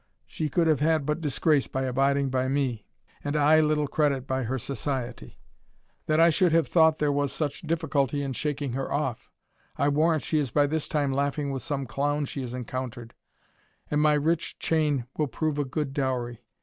She could have had but disgrace by abiding by me, and I little credit by her society. That I should have thought there was such difficulty in shaking her off! I warrant she is by this time laughing with some clown she has encountered; and my rich chain will prove a good dowry.